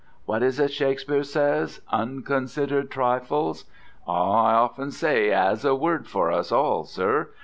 What is it Shakespeare says unconsidered trifles. Ah, I often say he 'as a word for us all, sir.